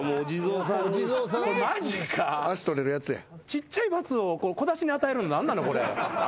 ちっちゃい罰を小出しに与えるの何なのこれ。